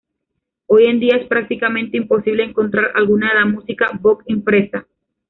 Hoy en día es prácticamente imposible encontrar alguna de la música Vogt impresa.